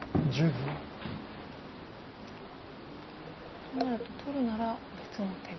となると取るなら別の手を。